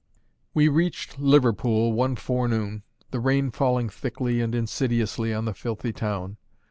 We reached Liverpool one forenoon, the rain falling thickly and insidiously on the filthy town.